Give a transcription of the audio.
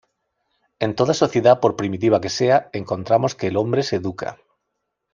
En toda sociedad por primitiva que sea, encontramos que el hombre se educa".